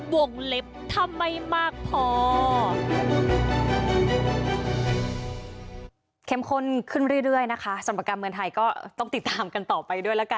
วงเล็บถ้าไม่มากพอ